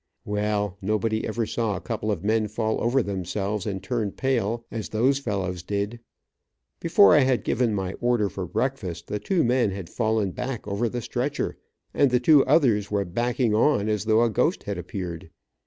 Well, nobody ever saw a couple of men fall over themselves and turn pale, as those fellows did. Before I had given my order for breakfast, the two men had fallen back over the stretcher and the two others were backing on as though a ghost had appeared.